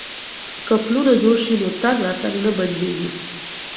که پلونه جوړ شي نو تګ راتګ نه بندیږي.